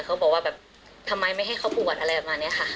เขาบอกว่าทำไมไม่ให้เขาบวชอะไรแบบนี้ค่ะ